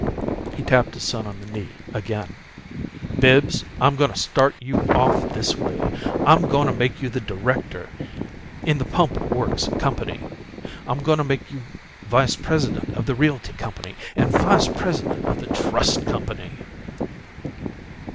He tapped his son on the knee again. "Bibbs, I'm goin' to start you off this way: I'm goin' to make you a director in the Pump Works Company; I'm goin' to make you vice president of the Realty Company and a vice president of the Trust Company!"